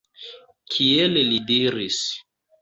Kiel li diris